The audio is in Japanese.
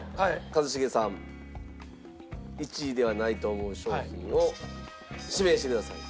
一茂さん１位ではないと思う商品を指名してください。